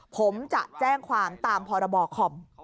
ผมจะแจ้งความตามพรบคอม